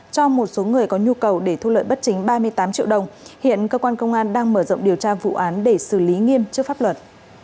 cho một số người có nhu cầu để thu lợi bất chính ba mươi tám triệu đồng hiện cơ quan công an đang mở rộng điều tra vụ án để xử lý nghiêm trước pháp luật